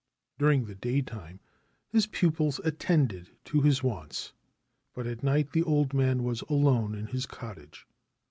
During the daytime his pupils attended to his wants ; but at night the old man was alone in his cottage.